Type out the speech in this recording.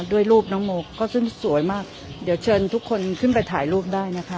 รูปน้องโมก็ซึ่งสวยมากเดี๋ยวเชิญทุกคนขึ้นไปถ่ายรูปได้นะคะ